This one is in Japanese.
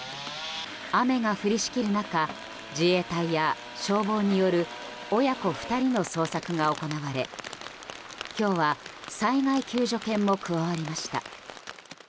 雨が降りしきる中自衛隊や消防による親子２人の捜索が行われ今日は災害救助犬も加わりました。